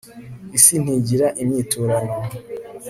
isi ntigira inyiturano